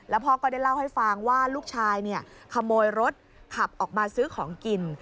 พ่อก็ได้เล่าให้ฟังว่าลูกชายขโมยรถขับออกมาซื้อของกิน